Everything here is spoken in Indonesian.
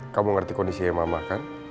kamu ngerti kondisinya mama kan